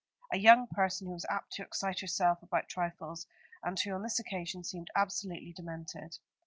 A young person who was apt to excite herself about trifles, and who on this occasion seemed absolutely demented.